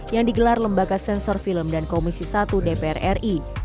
yang digelar lembaga sensor film dan komisi satu dpr ri